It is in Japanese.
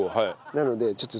なのでちょっと。